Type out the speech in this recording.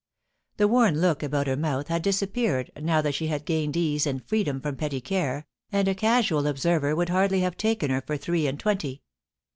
The worn look about her mouth had disappeared now that she had gained ease and freedom from petty care, and a casual observer would hardly have taken her for three and twenty.